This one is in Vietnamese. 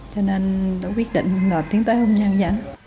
cho nên tôi quyết định là tiến tới hôm nay